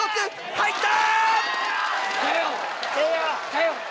入った！